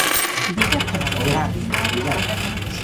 ¡Diga toda a verdade!